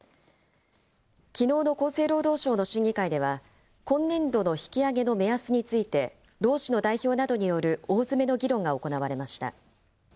きのうの厚生労働省の審議会では、今年度の引き上げの目安について、労使の代表などによる大詰めの議論が行われました。